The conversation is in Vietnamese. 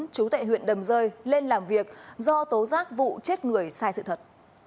chú tệ huyện đầm rơi lên làm việc do tố giác vụ chết người sai sự thật